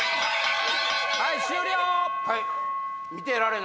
はい終了！